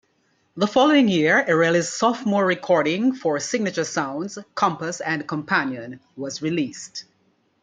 The following year, Erelli's sophomore recording for Signature Sounds, "Compass and Companion" was released.